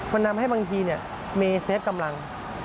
มันทำให้บางทีเมย์เซฟกำลัง